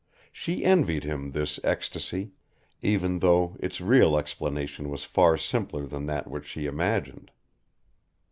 She envied him this ecstasy, even though its real explanation was far simpler than that which she imagined.